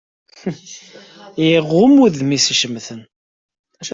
Iɣumm udem-is i icemten